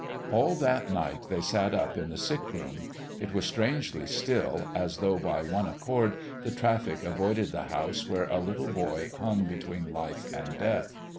All that night they sat up in the sick room. It was strangely still, as though by one accord the traffic avoided the house where a little boy hung between life and death.